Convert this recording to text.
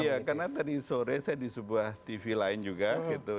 iya karena tadi sore saya di sebuah tv lain juga gitu